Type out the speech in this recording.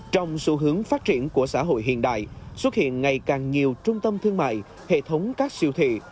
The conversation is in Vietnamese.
trong xu hướng phát triển của xã hội hiện đại xuất hiện ngày càng nhiều trung tâm thương mại hệ thống các siêu thị